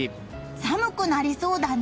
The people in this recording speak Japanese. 寒くなりそうだね！